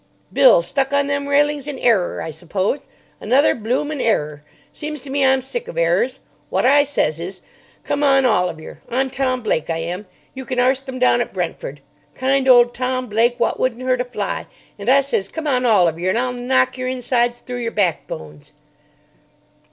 Bills stuck on them railings in errer, I suppose. Another bloomin' errer. Seems to me I'm sick of errers. Wot I says is, 'Come on, all of yer.' I'm Tom Blake, I am. You can arst them down at Brentford. Kind old Tom Blake, wot wouldn't hurt a fly; and I says, 'Come on, all of yer,' and I'll knock yer insides through yer backbones."